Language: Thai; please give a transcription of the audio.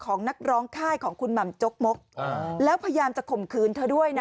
นักร้องค่ายของคุณหม่ำจกมกแล้วพยายามจะข่มขืนเธอด้วยนะ